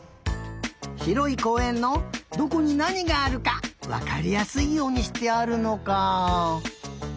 ひろいこうえんのどこになにがあるかわかりやすいようにしてあるのか。